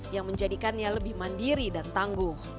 yang menjadikannya lebih mandiri dan tangguh